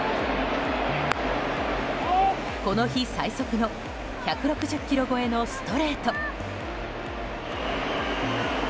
この日最速の１６０キロ超えのストレート。